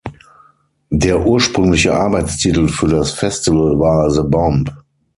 Der ursprüngliche Arbeitstitel für das Festival war "The Bomb".